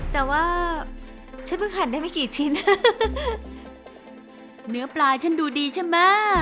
แต่ว่าฉันเพิ่งหั่นได้ไม่กี่ชิ้นเนื้อปลาฉันดูดีใช่ไหม